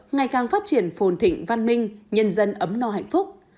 ngày càng phát triển phồn thịnh văn minh nhân dân ấm no hạnh phúc